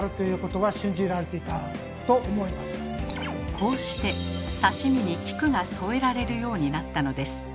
こうして刺身に菊が添えられるようになったのです。